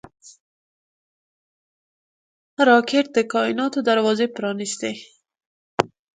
راکټ د کائناتو دروازې پرانېستي